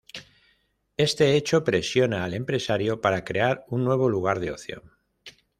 Este hecho presiona al empresario para crear un nuevo lugar de ocio.